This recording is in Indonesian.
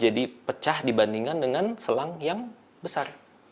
jadi pecah dibandingkan dengan selang yang besar